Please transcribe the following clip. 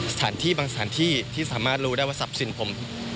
สถานที่บางสถานที่ที่สามารถรู้ได้ว่าทรัพย์สินผม